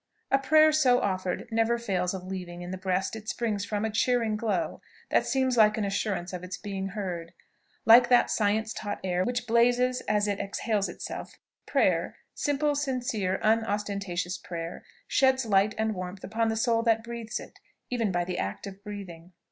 A prayer so offered never fails of leaving in the breast it springs from a cheering glow, that seems like an assurance of its being heard. Like that science taught air, which blazes as it exhales itself, prayer simple, sincere, unostentatious prayer, sheds light and warmth upon the soul that breathes it, even by the act of breathing.